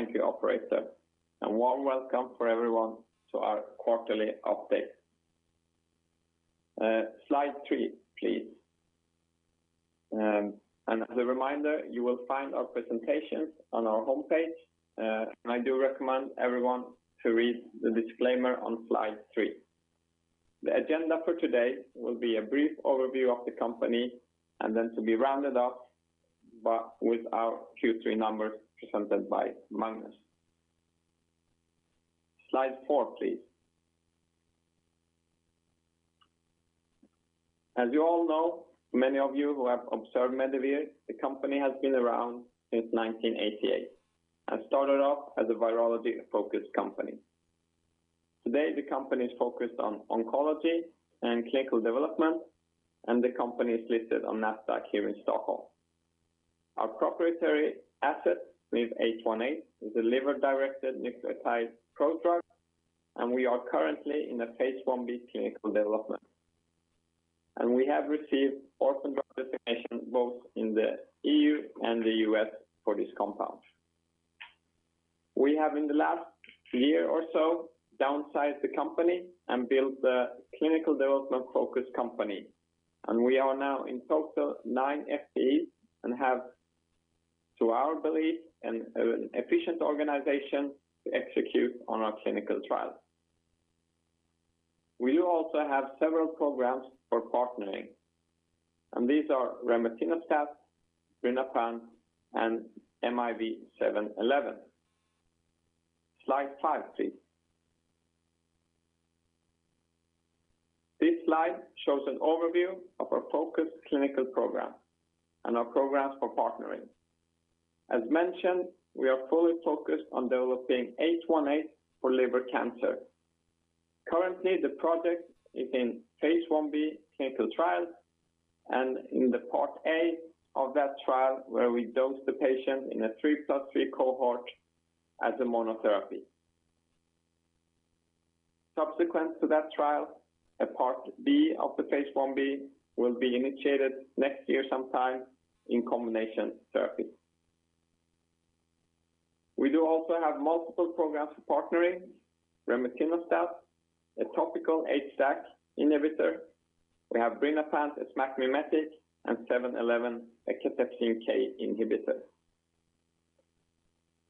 Thank you, operator. A warm welcome for everyone to our quarterly update. Slide three, please. As a reminder, you will find our presentations on our homepage. I do recommend everyone to read the disclaimer on slide three. The agenda for today will be a brief overview of the company then to be rounded up, but with our Q3 numbers presented by Magnus. Slide four, please. As you all know, many of you who have observed Medivir, the company has been around since 1988 and started off as a virology-focused company. Today, the company is focused on oncology and clinical development, the company is listed on Nasdaq Stockholm here in Stockholm. Our proprietary asset is MIV-818, is a liver-directed nucleotide prodrug, and we are currently in the Phase I-B clinical development. We have received orphan drug designation both in the EU and the U.S. for this compound. We have in the last year or so downsized the company and built a clinical development-focused company, and we are now in total nine FTEs and have, to our belief, an efficient organization to execute on our clinical trial. We do also have several programs for partnering, and these are remetinostat, birinapant, and MIV-711. Slide five, please. This slide shows an overview of our focused clinical program and our programs for partnering. As mentioned, we are fully focused on developing MIV-818 for liver cancer. Currently, the project is in phase I-B clinical trial and in the part A of that trial where we dose the patient in a three plus three cohort as a monotherapy. Subsequent to that trial, a part B of the Phase I-B will be initiated next year sometime in combination therapy. We do also have multiple programs for partnering remetinostat, a topical HDAC inhibitor. We have birinapant, a SMAC mimetic, 711, a cathepsin K inhibitor.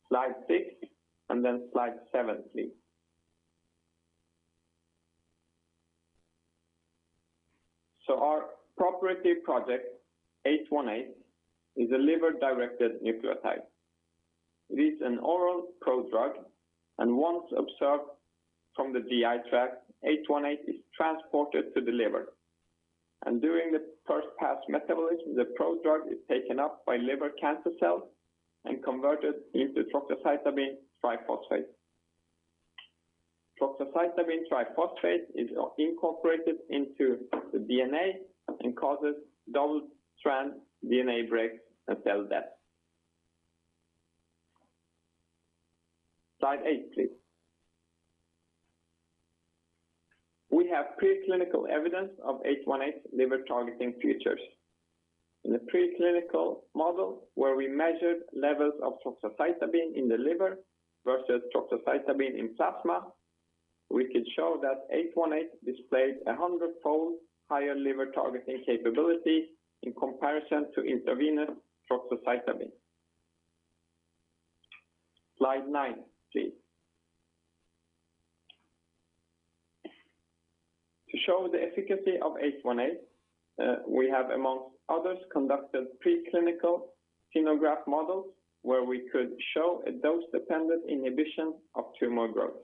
slide six, then slide seven, please. Our proprietary project, 818, is a liver-directed nucleotide. It is an oral prodrug. Once absorbed from the GI tract, 818 is transported to the liver. During the first-pass metabolism, the prodrug is taken up by liver cancer cells and converted into troxacitabine triphosphate. Troxacitabine triphosphate is incorporated into the DNA causes double-strand DNA breaks and cell death. slide eight, please. We have pre-clinical evidence of 818 liver targeting features. In the preclinical model, where we measured levels of troxacitabine in the liver versus troxacitabine in plasma, we could show that 818 displays 100-fold higher liver targeting capability in comparison to intravenous troxacitabine. Slide nine, please. To show the efficacy of 818, we have, amongst others, conducted preclinical xenograft models where we could show a dose-dependent inhibition of tumor growth.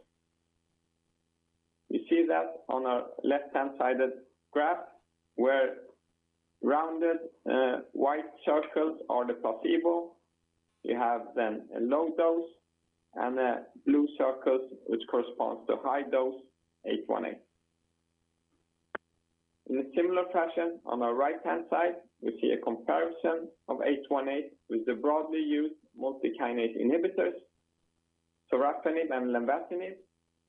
You see that on our left-hand side graph where rounded white circles are the placebo. You have a low dose and the blue circles, which correspond to high dose 818. In a similar fashion, on our right-hand side, we see a comparison of 818 with the broadly used multikinase inhibitors, sorafenib and lenvatinib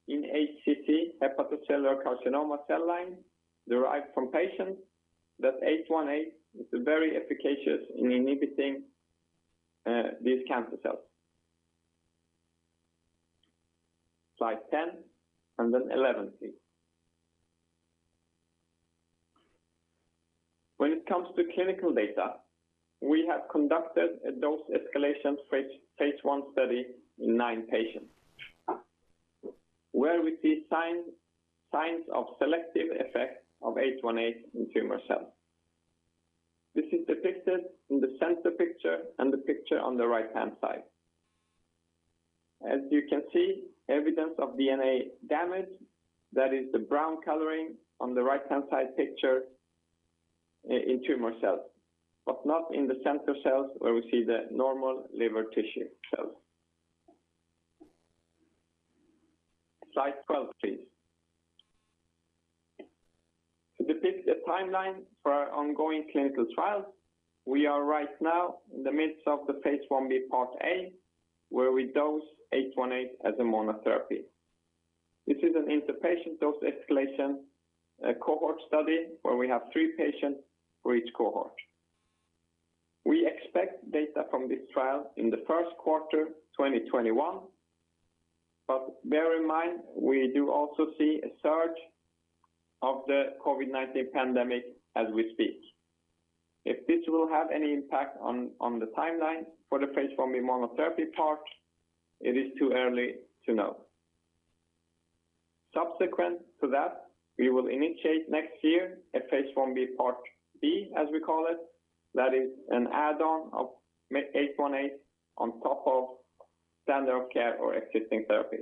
in HCC hepatocellular carcinoma cell lines derived from patients that 818 is very efficacious in inhibiting these cancer cells. Slide 10, and then 11, please. When it comes to clinical data, we have conducted a dose escalation phase I study in nine patients where we see signs of selective effects of 818 in tumor cells. This is depicted in the center picture and the picture on the right-hand side. As you can see, evidence of DNA damage, that is the brown coloring on the right-hand side picture in tumor cells, but not in the center cells where we see the normal liver tissue cells. Slide 12, please. To depict the timeline for our ongoing clinical trial, we are right now in the midst of the phase I-B part A where we dose 818 as a monotherapy. This is an inpatient dose escalation cohort study where we have three patients for each cohort. We expect data from this trial in the first quarter 2021. Bear in mind, we do also see a surge of the COVID-19 pandemic as we speak. If this will have any impact on the timeline for the phase I-B monotherapy part, it is too early to know. Subsequent to that, we will initiate next year a phase I-B, part B, as we call it. That is an add-on of MIV-818 on top of standard of care or existing therapy.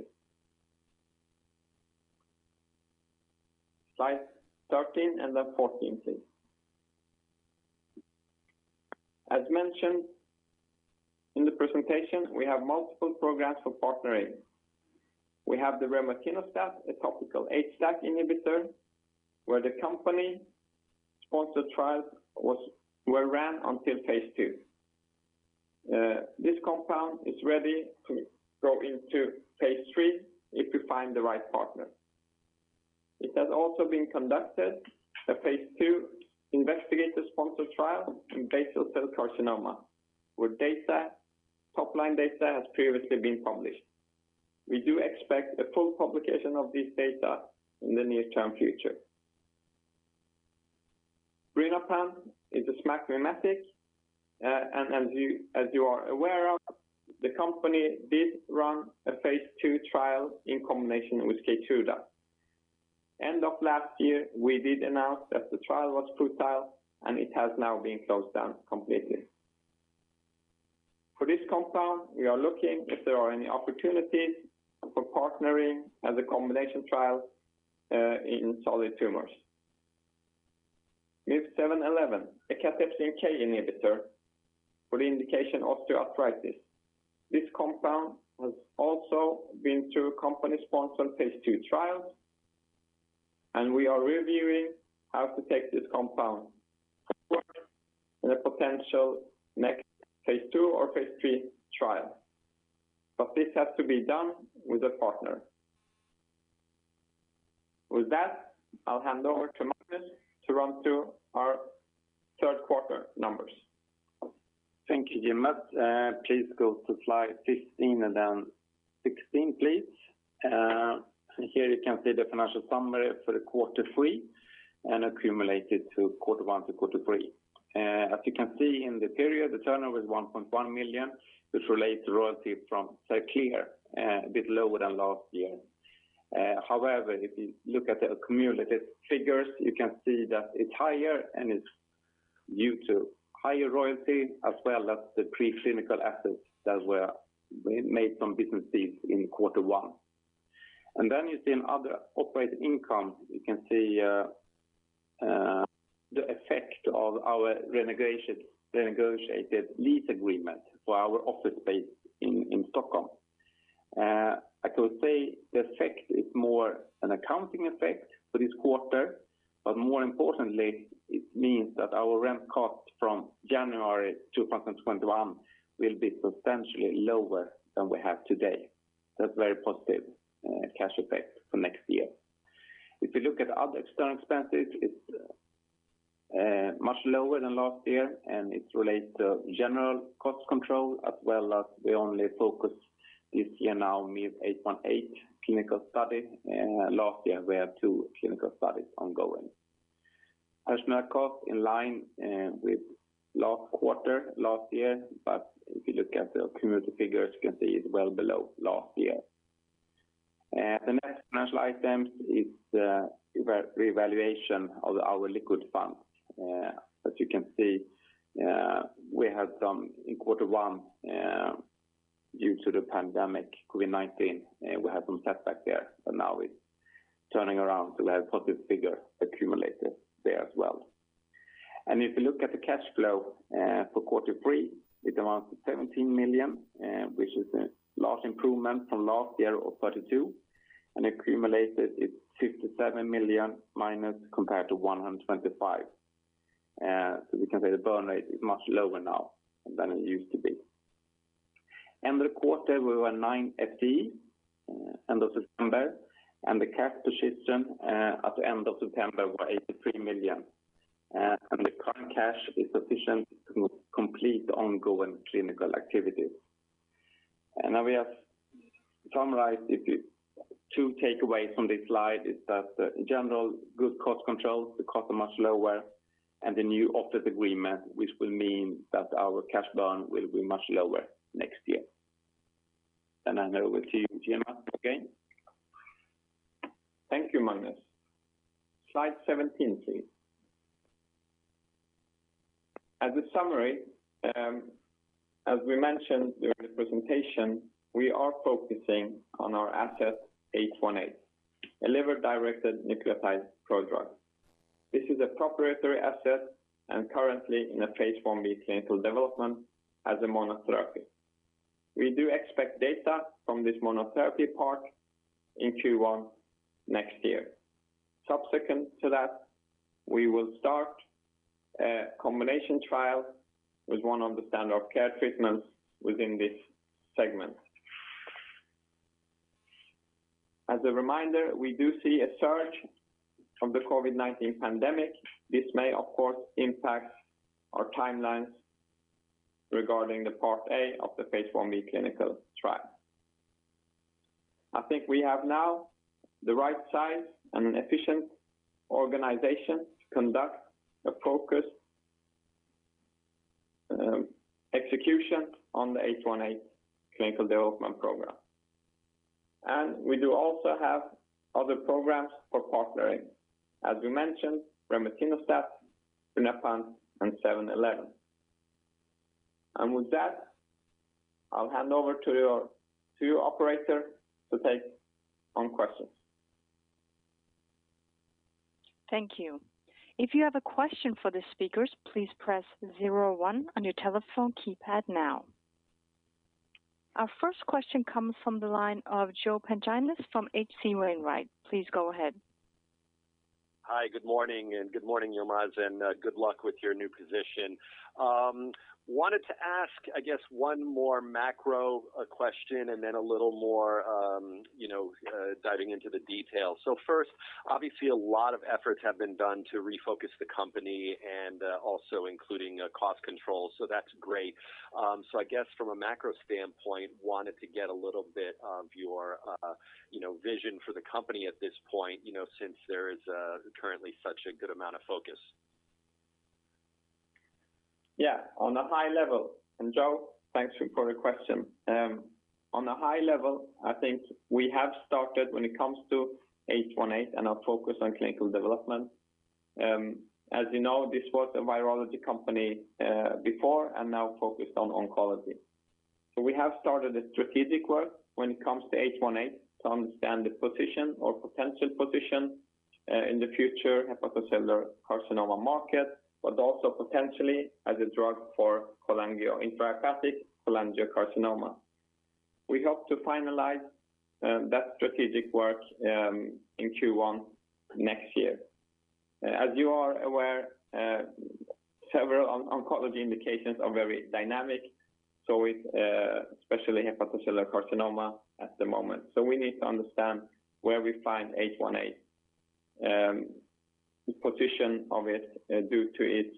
Slide 13 and then 14, please. As mentioned in the presentation, we have multiple programs for partnering. We have the remetinostat, a topical HDAC inhibitor, where the company sponsored trials were ran until phase II. This compound is ready to go into phase III if we find the right partner. It has also been conducted a phase II investigator-sponsored trial in basal cell carcinoma, where top-line data has previously been published. We do expect a full publication of this data in the near-term future. birinapant is a SMAC mimetic. As you are aware of, the company did run a phase II trial in combination with KEYTRUDA. End of last year, we did announce that the trial was futile, and it has now been closed down completely. For this compound, we are looking if there are any opportunities for partnering as a combination trial in solid tumors. MIV-711, a cathepsin K inhibitor for the indication osteoarthritis. This compound has also been through company-sponsored phase II trials, and we are reviewing how to take this compound in a potential next phase II or phase III trial. This has to be done with a partner. With that, I'll hand over to Magnus to run through our third quarter numbers. Thank you, Jim. Please go to slide 15 and then 16, please. Here you can see the financial summary for the Q3 and accumulated to Q1 to Q3. You can see in the period, the turnover is 1.1 million, which relates to royalty from Xerclear, a bit lower than last year. If you look at the cumulative figures, you can see that it's higher and it's due to higher royalty as well as the preclinical assets that were made from business deals in Q1. You see in other operating income, you can see the effect of our renegotiated lease agreement for our office space in Stockholm. I could say the effect is more an accounting effect for this quarter, more importantly, it means that our rent cost from January 2021 will be substantially lower than we have today. That's very positive cash effect for next year. If you look at other external expenses, it's much lower than last year, and it relates to general cost control as well as we only focus this year now MIV-818 clinical study. Last year we had two clinical studies ongoing. Personnel cost in line with last quarter last year, but if you look at the cumulative figures, you can see it's well below last year. The next financial item is the revaluation of our liquid funds. As you can see, we have done in quarter 1, due to the pandemic COVID-19, we had some setback there, but now it's turning around, so we have positive figure accumulated there as well. If you look at the cash flow for quarter three, it amounts to 17 million, which is a large improvement from last year of 32 million, accumulated it is 57 million minus compared to 125 million. We can say the burn rate is much lower now than it used to be. In the quarter, we were nine FTE end of September, the cash position at the end of September were 83 million. The current cash is sufficient to complete ongoing clinical activities. Now we have summarized it. Two takeaways from this slide is that general good cost control, the costs are much lower, the new office agreement, which will mean that our cash burn will be much lower next year. Hand over to you, Yilmaz, again. Thank you, Magnus. Slide 17, please. As a summary, as we mentioned during the presentation, we are focusing on our asset MIV-818, a liver-directed nucleotide prodrug. This is a proprietary asset and currently in a phase I-B clinical development as a monotherapy. We do expect data from this monotherapy part in Q1 next year. Subsequent to that, we will start a combination trial with one of the standard of care treatments within this segment. As a reminder, we do see a surge from the COVID-19 pandemic. This may, of course, impact our timelines regarding the Part A of the phase I-B clinical trial. I think we have now the right size and an efficient organization to conduct a focused execution on the MIV-818 clinical development program. We do also have other programs for partnering. As we mentioned, remetinostat, birinapant, and MIV-711. With that, I'll hand over to your operator to take on questions. Thank you. If you have a question for the speakers, please press zero one on your telephone keypad now. Our first question comes from the line of Joseph Pantginis from H.C. Wainwright. Please go ahead. Hi, good morning, and good morning, Yilmaz. Good luck with your new position. Wanted to ask, I guess one more macro question and then a little more diving into the details. First, obviously a lot of efforts have been done to refocus the company and also including cost control. That's great. I guess from a macro standpoint, wanted to get a little bit of your vision for the company at this point, since there is currently such a good amount of focus. Yeah. On a high level, Joe, thanks for the question. On a high level, I think we have started when it comes to MIV-818 and our focus on clinical development. As you know, this was a virology company before and now focused on oncology. We have started a strategic work when it comes to MIV-818 to understand the position or potential position in the future hepatocellular carcinoma market, but also potentially as a drug for intrahepatic cholangiocarcinoma. We hope to finalize that strategic work in Q1 next year. As you are aware, several oncology indications are very dynamic, with especially hepatocellular carcinoma at the moment. We need to understand where we find MIV-818. The position of it due to its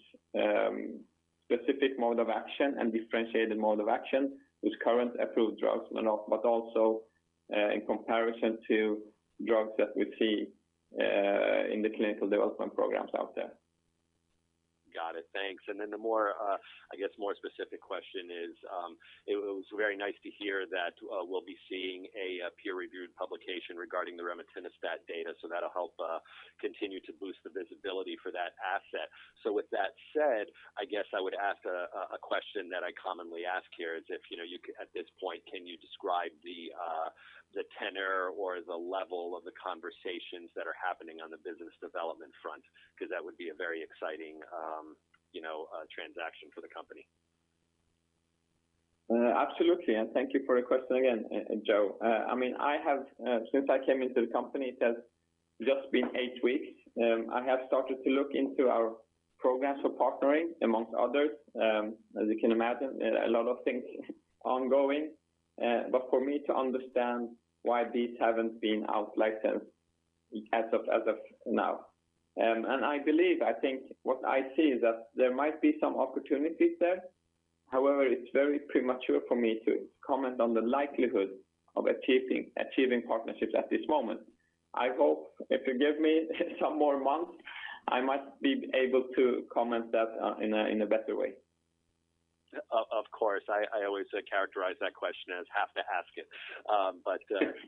specific mode of action and differentiated mode of action with current approved drugs, but also in comparison to drugs that we see in the clinical development programs out there. Got it. Thanks. The more specific question is, it was very nice to hear that we'll be seeing a peer-reviewed publication regarding the remetinostat data, so that'll help continue to boost the visibility for that asset. With that said, I guess I would ask a question that I commonly ask here is if at this point, can you describe the tenor or the level of the conversations that are happening on the business development front? That would be a very exciting transaction for the company. Absolutely. Thank you for the question again, Joe. Since I came into the company, it has just been eight weeks. I have started to look into our programs for partnering, amongst others. As you can imagine, a lot of things ongoing. For me to understand why these haven't been out licensed as of now, I believe what I see is that there might be some opportunities there. However, it's very premature for me to comment on the likelihood of achieving partnerships at this moment. I hope if you give me some more months, I might be able to comment that in a better way. Of course. I always characterize that question as "have to ask it."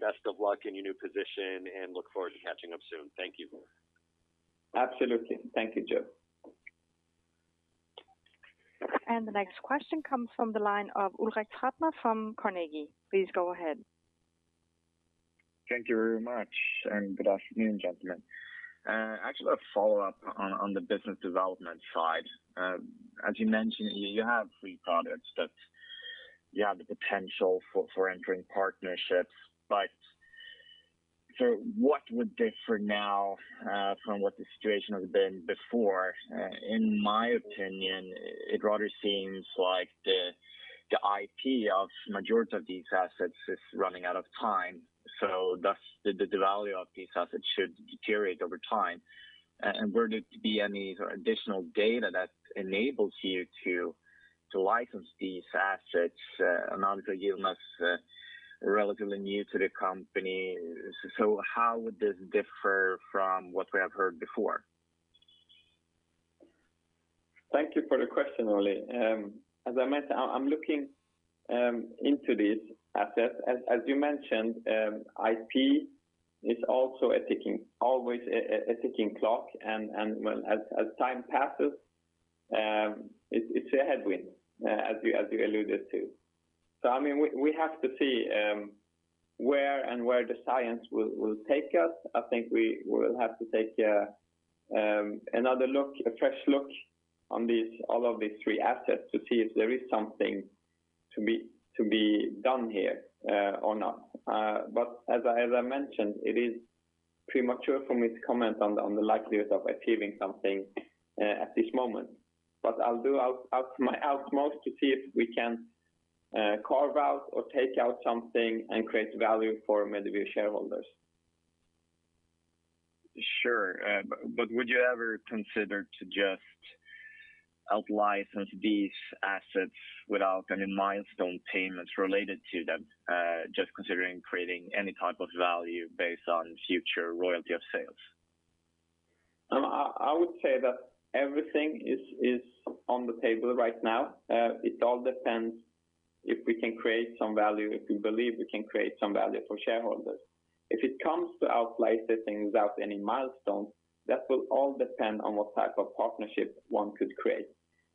Best of luck in your new position, and look forward to catching up soon. Thank you. Absolutely. Thank you, Joe. The next question comes from the line of Ulrik Trattner from Carnegie. Please go ahead. Thank you very much. Good afternoon, gentlemen. Actually, a follow-up on the business development side. As you mentioned, you have three products that you have the potential for entering partnerships. What would differ now from what the situation has been before? In my opinion, it rather seems like the IP of majority of these assets is running out of time, so thus the value of these assets should deteriorate over time. Were there to be any additional data that enables you to license these assets? Obviously, you're not relatively new to the company. How would this differ from what we have heard before? Thank you for the question, Ulrik. As I mentioned, I'm looking into these assets. As you mentioned IP is always a ticking clock, and as time passes, it's a headwind as you alluded to. We have to see where the science will take us. I think we will have to take another look, a fresh look on all of these three assets to see if there is something to be done here or not. As I mentioned, it is premature for me to comment on the likelihood of achieving something at this moment. I'll do my utmost to see if we can carve out or take out something and create value for Medivir shareholders. Sure. Would you ever consider to just out-license these assets without any milestone payments related to them, just considering creating any type of value based on future royalty of sales? I would say that everything is on the table right now. It all depends if we can create some value, if we believe we can create some value for shareholders. If it comes to out-licensing without any milestones, that will all depend on what type of partnership one could create.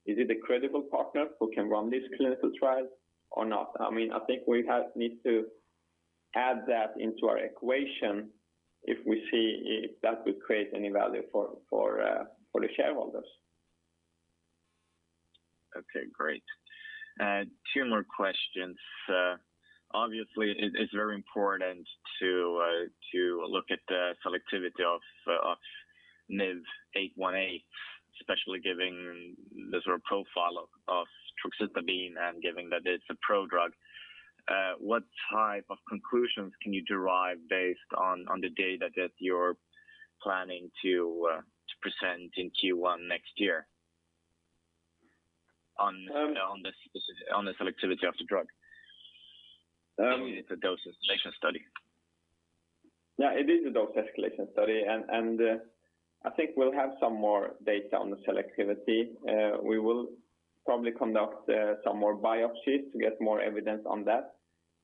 Is it a credible partner who can run this clinical trial or not? I think we need to add that into our equation if we see if that will create any value for the shareholders. Okay, great. Two more questions. It is very important to look at the selectivity of MIV-818, especially given the sort of profile of troxacitabine and given that it's a prodrug. What type of conclusions can you derive based on the data that you're planning to present in Q1 next year on the selectivity of the drug? I mean, it's a dose escalation study. Yeah, it is a dose escalation study, and I think we'll have some more data on the selectivity. We will probably conduct some more biopsies to get more evidence on that.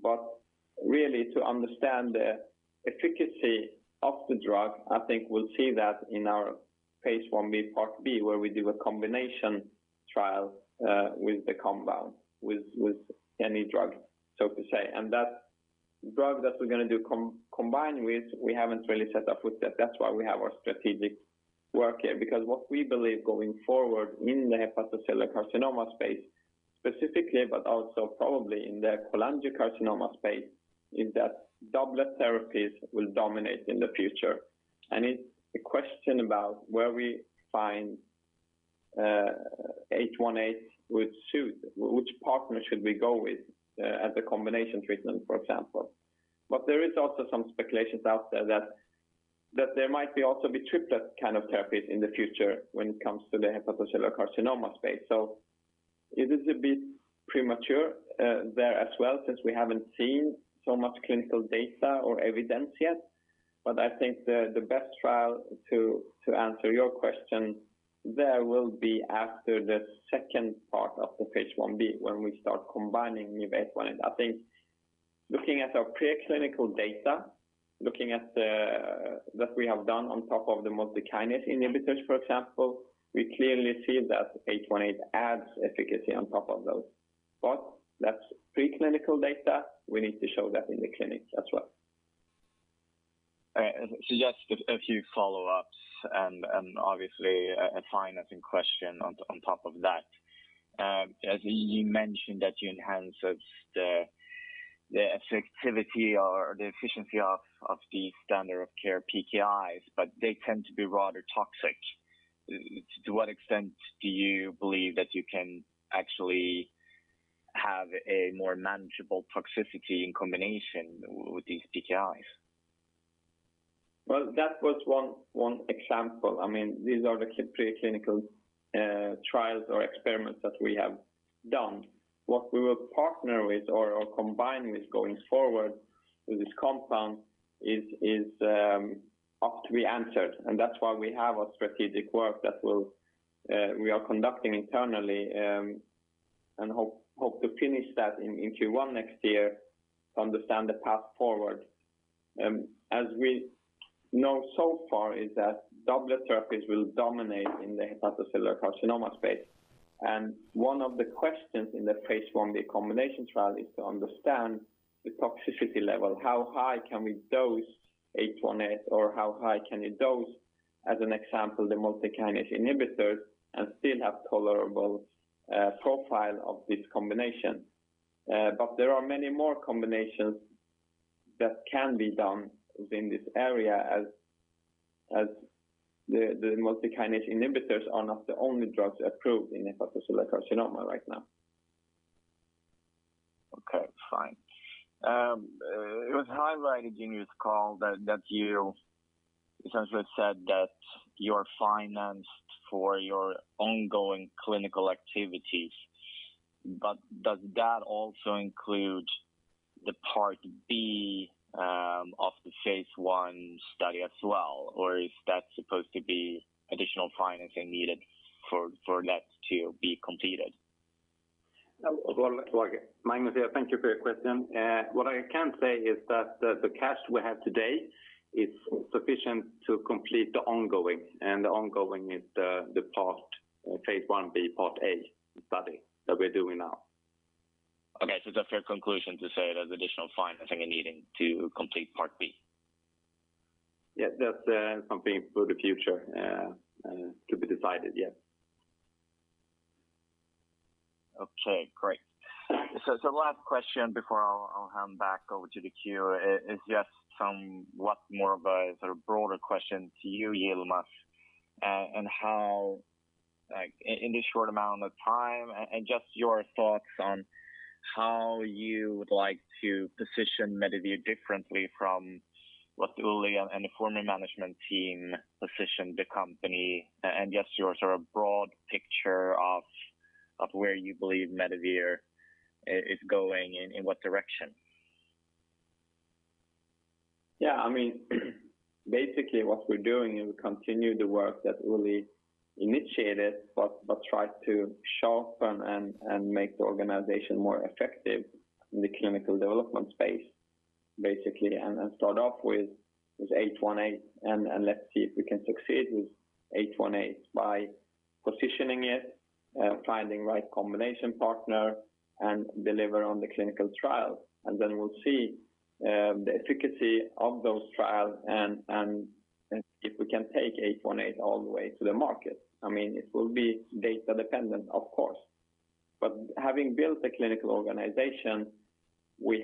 But really to understand the efficacy of the drug, I think we'll see that in our Phase I-B Part B where we do a combination trial with the compound, with any drug, so to say. That drug that we're going to do combined with, we haven't really set up with that. That's why we have our strategic work here, because what we believe going forward in the hepatocellular carcinoma space specifically, but also probably in the cholangiocarcinoma space, is that doublet therapies will dominate in the future. It's a question about where we find MIV-818 would suit, which partner should we go with as a combination treatment, for example. There is also some speculations out there that there might be also be triplet kind of therapies in the future when it comes to the hepatocellular carcinoma space. It is a bit premature there as well, since we haven't seen so much clinical data or evidence yet. I think the best trial to answer your question, there will be after the second part of the Phase I-B, when we start combining MIV-818. I think looking at our preclinical data, looking at that we have done on top of the multikinase inhibitors, for example, we clearly see that 818 adds efficacy on top of those. That's preclinical data. We need to show that in the clinic as well. All right. Just a few follow-ups, obviously a financing question on top of that. As you mentioned that you enhance the effectivity or the efficiency of the standard of care PKIs, but they tend to be rather toxic. To what extent do you believe that you can actually have a more manageable toxicity in combination with these PKIs? Well, that was one example. These are the preclinical trials or experiments that we have done. What we will partner with or combine with going forward with this compound is yet to be answered, and that's why we have a strategic work that we are conducting internally and hope to finish that in Q1 next year to understand the path forward. As we know so far is that doublet therapies will dominate in the hepatocellular carcinoma space. One of the questions in the Phase I-B combination trial is to understand the toxicity level. How high can we dose 818, or how high can we dose, as an example, the multikinase inhibitors and still have tolerable profile of this combination? There are many more combinations that can be done within this area as the multikinase inhibitors are not the only drugs approved in hepatocellular carcinoma right now. Okay, fine. It was highlighted in your call that you essentially said that you're financed for your ongoing clinical activities, does that also include the Part B of the phase I study as well, or is that supposed to be additional financing needed for that to be completed? Magnus here, thank you for your question. What I can say is that the cash we have today is sufficient to complete the ongoing, and the ongoing is the phase I-B Part A study that we're doing now. Okay. It's a fair conclusion to say that additional financing are needed to complete Part B? Yeah. That's something for the future to be decided yet. Okay, great. The last question before I'll hand back over to the queue is just somewhat more of a broader question to you, Yilmaz. In this short amount of time, just your thoughts on how you would like to position Medivir differently from what Uli and the former management team positioned the company, and just your broad picture of where you believe Medivir is going, in what direction. Yeah. Basically, what we're doing is we continue the work that Ulrik initiated, but try to sharpen and make the organization more effective in the clinical development space, basically, and then start off with MIV-818. Let's see if we can succeed with MIV-818 by positioning it, finding right combination partner, and deliver on the clinical trial. Then we'll see the efficacy of those trials and if we can take MIV-818 all the way to the market. It will be data dependent, of course. Having built a clinical organization, we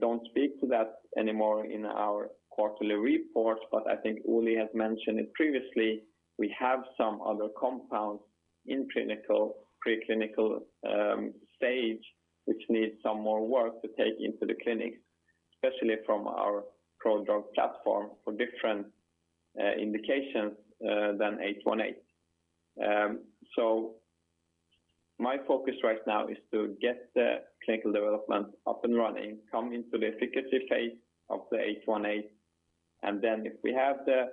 don't speak to that anymore in our quarterly report, but I think Uli has mentioned it previously. We have some other compounds in preclinical stage, which needs some more work to take into the clinic, especially from our prodrug platform for different indications than MIV-818. My focus right now is to get the clinical development up and running, come into the efficacy phase of the MIV-818, and then if we have the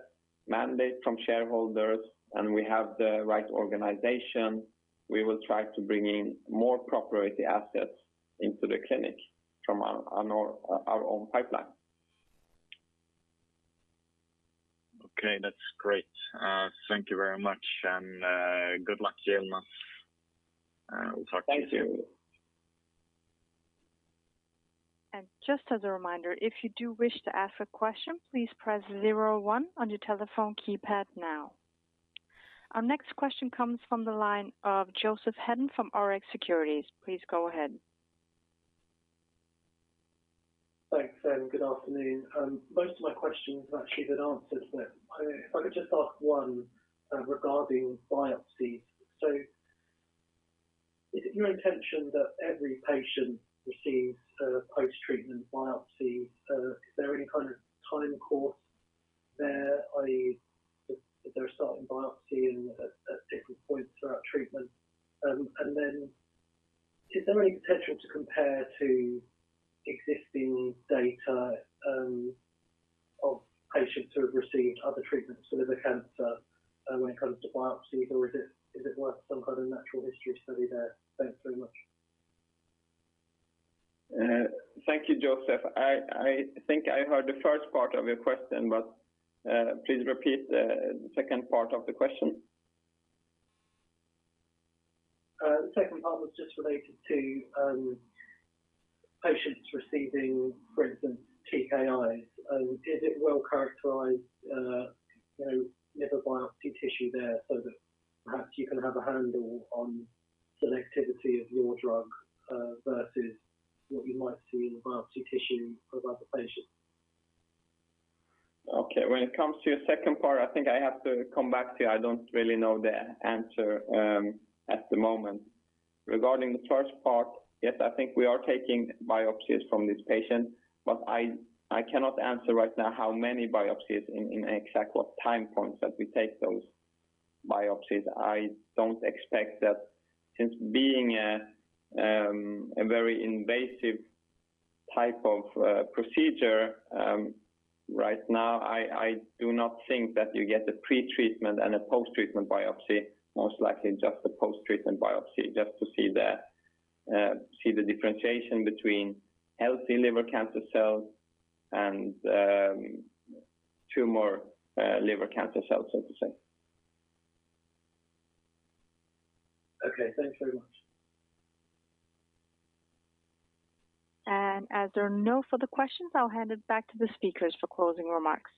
mandate from shareholders and we have the right organization, we will try to bring in more proprietary assets into the clinic from our own pipeline. Okay, that's great. Thank you very much. Good luck, Yilmaz. We'll talk to you soon. Thank you. Just as a reminder, if you do wish to ask a question, please press 01 on your telephone keypad now. Our next question comes from the line of Joseph Hedden from Rx Securities. Please go ahead. Thanks. Good afternoon. Most of my questions have actually been answered. If I could just ask one regarding biopsies. Is it your intention that every patient receives a post-treatment biopsy? Is there any kind of time course there, i.e., if they're starting biopsy at different points throughout treatment? Is there any potential to compare to existing data of patients who have received other treatments for liver cancer when it comes to biopsy, or is it worth some kind of natural history study there? Thanks very much. Thank you, Joseph. I think I heard the first part of your question, but please repeat the second part of the question. The second part was just related to patients receiving, for instance, TKIs. Is it well characterized liver biopsy tissue there so that perhaps you can have a handle on selectivity of your drug versus what you might see in the biopsy tissue of other patients? Okay. When it comes to your second part, I think I have to come back to you. I don't really know the answer at the moment. Regarding the first part, yes, I think we are taking biopsies from these patients, but I cannot answer right now how many biopsies in exact what time points that we take those biopsies. I don't expect that since being a very invasive type of procedure right now, I do not think that you get a pretreatment and a post-treatment biopsy. Most likely just a post-treatment biopsy just to see the differentiation between healthy liver cancer cells and tumor liver cancer cells, so to say. Okay. Thanks very much. As there are no further questions, I'll hand it back to the speakers for closing remarks.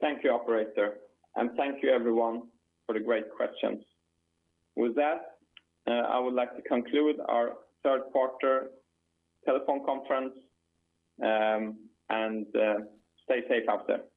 Thank you, operator, and thank you everyone for the great questions. With that, I would like to conclude our third quarter telephone conference. Stay safe out there.